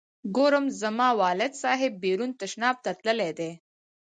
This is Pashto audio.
ګورم زما والد صاحب بیرون تشناب ته تللی دی.